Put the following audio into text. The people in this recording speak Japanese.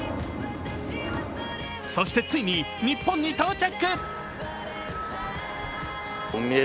そして、ついに日本に到着。